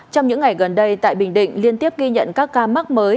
trong những ngày gần đây tại bình định liên tiếp ghi nhận các ca mắc mới